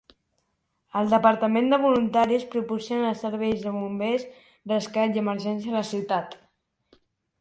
El departament de voluntaris proporciona serveis de bombers, rescat i emergència a la ciutat.